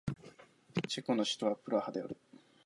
チェコの首都はプラハである